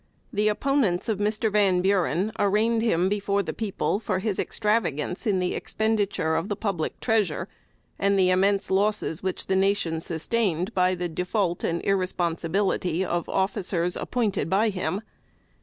The opponents of Mr. Van Buren arraigned him before the people for his extravagance in the expenditure of the public treasure, and the immense losses which the nation sustained by the default and irresponsibility of officers appointed by him.